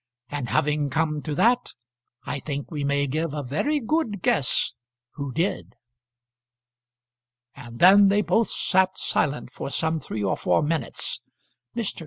And having come to that, I think we may give a very good guess who did." And then they both sat silent for some three or four minutes. Mr.